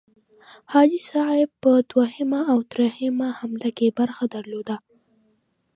حاجي صاحب په دوهمه او دریمه حمله کې برخه درلوده.